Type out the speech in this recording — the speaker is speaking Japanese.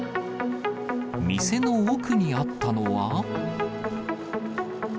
店の奥にあったのは。